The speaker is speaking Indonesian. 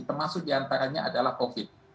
termasuk diantaranya adalah covid